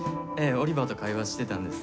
オリバーと会話してたんです。